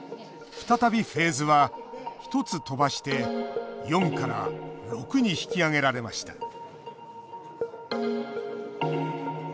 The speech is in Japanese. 再びフェーズは１つ飛ばして４から６に引き上げられました